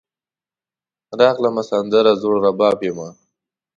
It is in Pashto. راغلمه , سندره زوړرباب یمه